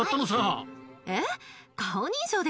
えっ？